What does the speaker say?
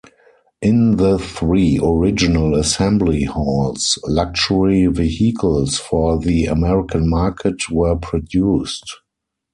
In the three original assembly halls, luxury vehicles for the American market were produced.